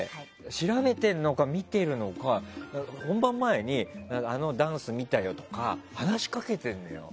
調べてるのか、見てるのか本番前に、あのダンス見たよとか話しかけてるのよ。